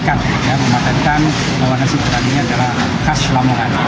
yaitu mematenkan bahwa nasi boran ini adalah khas lamungan